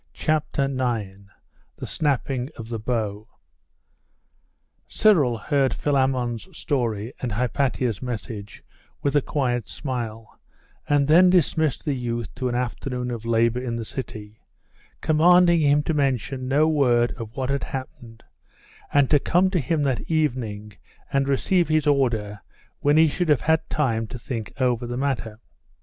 CHAPTER IX: THE SNAPPING OF THE BOW Cyril heard Philammon's story and Hypatia's message with a quiet smile, and then dismissed the youth to an afternoon of labour in the city, commanding him to mention no word of what had happened, and to come to him that evening and receive his order when he should have had time to think over the matter.